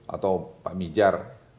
atau pak mijar